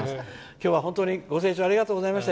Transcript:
今日は本当にご清聴ありがとうございました。